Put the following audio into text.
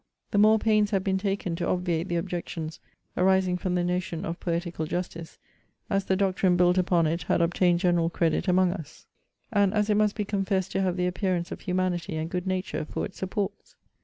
The more pains have been taken to obviate the objections arising from the notion of poetical justice, as the doctrine built upon it had obtained general credit among us; and as it must be confessed to have the appearance of humanity and good nature for its supports.